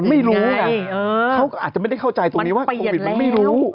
ไม่รู้ไงเขาก็อาจจะไม่ได้เข้าใจตรงนี้ว่าโควิดมันไม่รู้